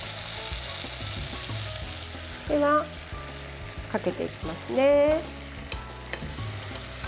では、かけていきますね。